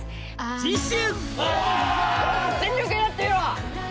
次週！